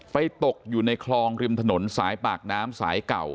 ตกอยู่ในคลองริมถนนสายปากน้ำสายเก่า